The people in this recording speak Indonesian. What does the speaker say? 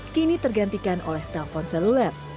kini tergantikan oleh telpon seluler